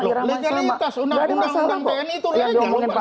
legalitas undang undang tni itu legal